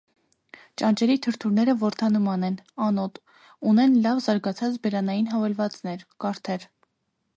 Ճանճերի թրթուրները որդանման են, անոտ, ունեն լավ զարգացած բերանային հավելվածներ՝ կարթեր։